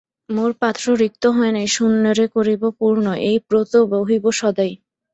মোর পাত্র রিক্ত হয় নাই-- শূন্যেরে করিব পূর্ণ, এই ব্রত বহিব সদাই।